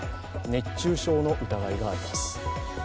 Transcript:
熱中症の疑いがあります。